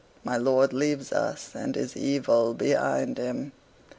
MY LORD LEAVES US AND HIS EVIL BEHIND HIM.